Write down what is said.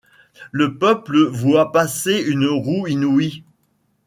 Le peuple voit passer une roue inouïe